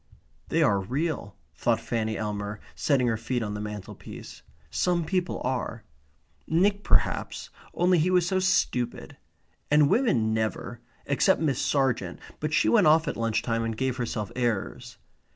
They are real, thought Fanny Elmer, setting her feet on the mantelpiece. Some people are. Nick perhaps, only he was so stupid. And women never except Miss Sargent, but she went off at lunch time and gave herself airs.